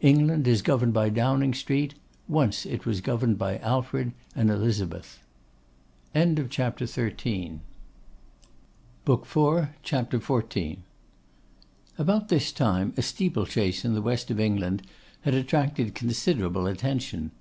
England is governed by Downing Street; once it was governed by Alfred and Elizabeth.' CHAPTER XIV. About this time a steeple chase in the West of England had attracted considerable attention.